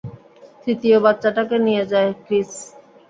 তৃতীয় বাচ্চাটাকে নিয়ে যায় ক্রিস।